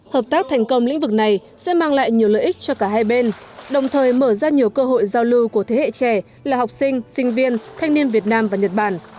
hợp tác thành công lĩnh vực này sẽ mang lại nhiều lợi ích cho cả hai bên đồng thời mở ra nhiều cơ hội giao lưu của thế hệ trẻ là học sinh sinh viên thanh niên việt nam và nhật bản